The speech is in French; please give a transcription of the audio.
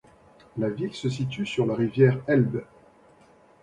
La ville se situe sur la rivière Elbe.